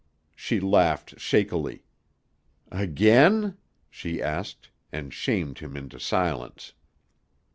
She laughed shakily. "Again?" she asked, and shamed him into silence.